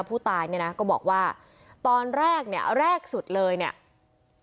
ผู้ตายเนี่ยนะก็บอกว่าตอนแรกเนี่ยแรกสุดเลยเนี่ย